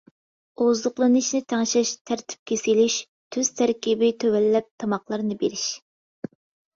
ئوزۇقلىنىشنى تەڭشەش، تەرتىپكە سېلىش، تۈز تەركىبى تۆۋەنلەپ تاماقلارنى بېرىش.